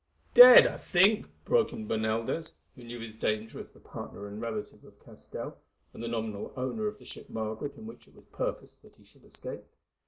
"Dead, I think," broke in Bernaldez, who knew his danger as the partner and relative of Castell, and the nominal owner of the ship Margaret in which it was purposed that he should escape.